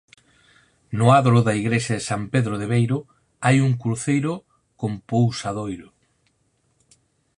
No adro da igrexa de San Pedro de Beiro hai un cruceiro con pousadoiro.